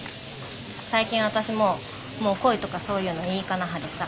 最近私ももう恋とかそういうのいいかな派でさ。